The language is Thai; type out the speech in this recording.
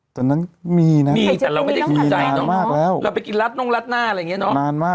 ตอนนั้นมีนะมีนานมากแล้วนะเนาะ